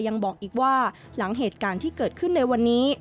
ยังบอกอีกว่าหลังเหตุการณ์ที่เกิดขึ้นในวันนี้